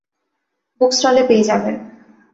বুকস্টলে পেয়ে যাবেন।